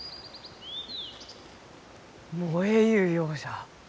燃えゆうようじゃ。